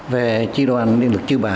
về tri đoàn điện lực chư pa